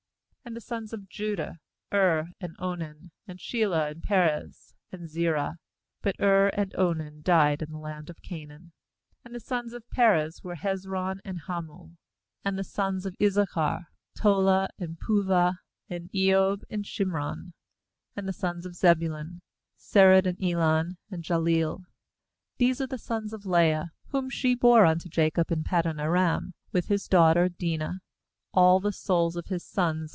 ^And the sons of Judah: Er, and Onan, and Shelah, and Perez, and Zerah; but Er and Onan died in the land of Canaan. And the sons of Perez were Hezron and Hamul. 13And the sons of Issaohar Tola, and Puvah, and lob, and Shim ron. 14And the sons of Zebulun : Sered, and Elon, and Jahleel. 16These are the sons of Leah, whom she bore unto Jacob in Paddan aram, with his daughter Dinah; all the souls of his sons